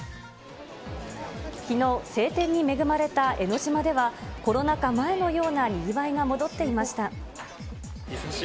きのう、晴天に恵まれた江の島では、コロナ禍前のようなにぎわいが戻久し